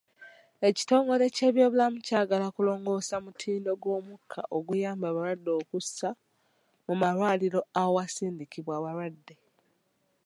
Ekitongole ky'ebyobulamu kyagala kulongoosa mutindo gw'omukka oguyamba abalwadde okussa mu malwaliro awasindikibwa abalwadde